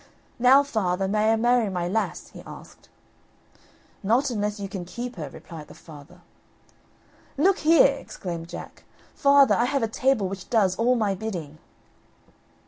"Now, father, may I marry my lass?" he asked. "Not unless you can keep her," replied the father. "Look here!" exclaimed Jack. "Father, I have a table which does all my bidding."